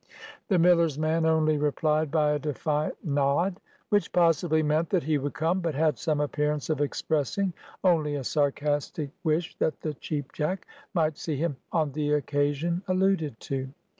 The miller's man only replied by a defiant nod, which possibly meant that he would come, but had some appearance of expressing only a sarcastic wish that the Cheap Jack might see him on the occasion alluded to.